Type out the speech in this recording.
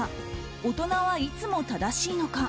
大人はいつも正しいのか？